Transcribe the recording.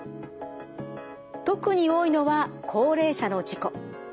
特に多いのは高齢者の事故。